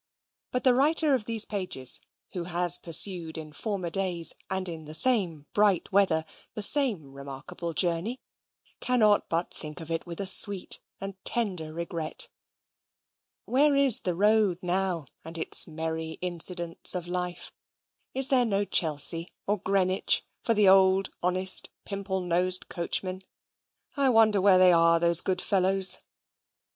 But the writer of these pages, who has pursued in former days, and in the same bright weather, the same remarkable journey, cannot but think of it with a sweet and tender regret. Where is the road now, and its merry incidents of life? Is there no Chelsea or Greenwich for the old honest pimple nosed coachmen? I wonder where are they, those good fellows?